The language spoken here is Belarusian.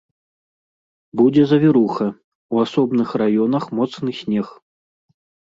Будзе завіруха, у асобных раёнах моцны снег.